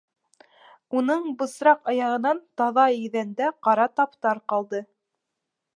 Уның бысраҡ аяғынан таҙа иҙәндә ҡара таптар ҡалды.